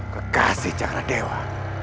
kekasih sakar dewa